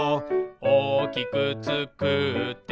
「おおきくつくって」